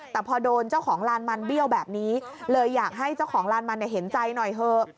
แต่พอโดนเจ้าของลานมันเบี้ยวแบบนี้เลยอยากให้เจ้าของลานมันเห็นใจหน่อยเถอะ